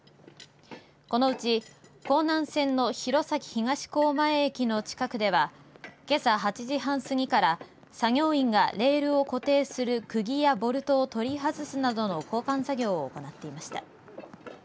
このうち、弘南線の弘前東高前駅の近くではけさ８時半過ぎから作業員がレールを固定するくぎやボルトを取り外すなどの交換作業を行っていました。